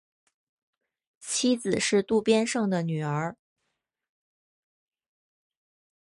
妻子是渡边胜的女儿。